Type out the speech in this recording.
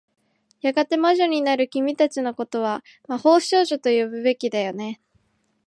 やがて魔女になる君たちの事は、魔法少女と呼ぶべきだよね。